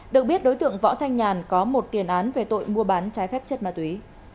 được biết đối tượng võ thanh nhàn có một tiền án về tội mua bán trái phép chất ma túy